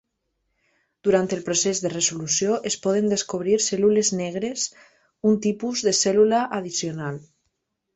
Durant el procés de resolució, es poden descobrir cèl·lules "negres", un tipus de cèl·lula addicional.